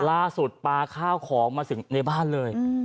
ล่าสุดปลาข้าวของมาถึงในบ้านเลยอืม